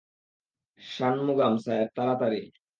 Shanmugam sir, তাড়াতাড়ি।